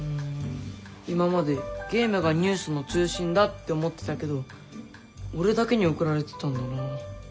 今までゲームがニュースの中心だって思ってたけど俺だけに送られてたんだな。